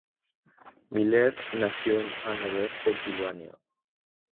Miller nació en Hanover, Pensilvania.